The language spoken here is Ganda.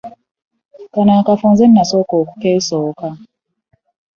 Kano akafo nze nasooka okukeesooka.